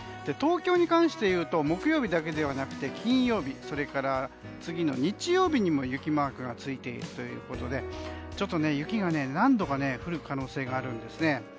東京に関していうと木曜日だけではなくて金曜日、それから日曜日にも雪マークついているということでちょっと雪が何度か降る可能性があるんですね。